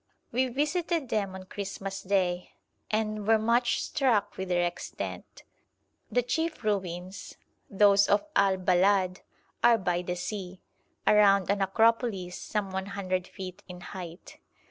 We visited them on Christmas Day, and were much struck with their extent. The chief ruins, those of Al Balad, are by the sea, around an acropolis some 100 feet in height.